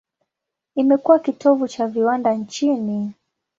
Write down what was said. Imekuwa kitovu cha viwanda nchini.